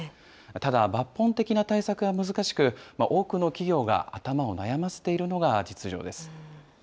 ただ、抜本的な対策は難しく、多くの企業が頭を悩ませているのが実情です。